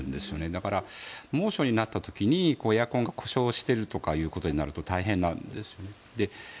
だから、猛暑になった時にエアコンが故障しているということになると大変なんですよね。